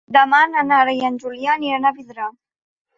Demà na Nara i en Julià aniran a Vidrà.